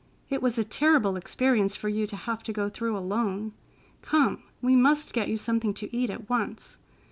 It was a terrible experience for you to have to go through alone. Come, we must get you something to eat at once.